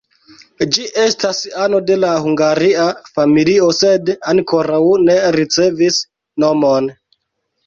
Ĝi estas ano de la hungaria familio sed ankoraŭ ne ricevis nomon.